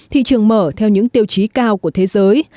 thị trường mở theo những tiêu chí cao của thế giới